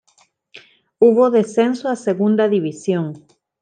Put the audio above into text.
Hubo descenso a Segunda División.